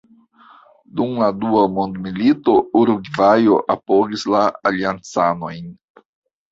Dum la dua mondmilito, Urugvajo apogis la aliancanojn.